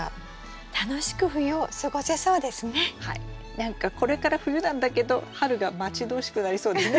何かこれから冬なんだけど春が待ち遠しくなりそうですね。